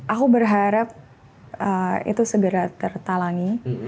aku berharap itu segera tertalangi